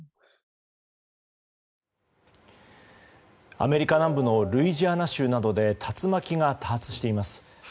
アメリカ南部のルイジアナ州などで竜巻が多発しています。